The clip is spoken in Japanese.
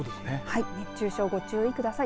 熱中症はご注意ください。